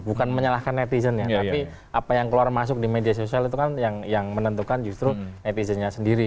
bukan menyalahkan netizen ya tapi apa yang keluar masuk di media sosial itu kan yang menentukan justru netizennya sendiri